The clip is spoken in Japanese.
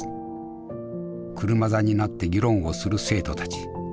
車座になって議論をする生徒たち。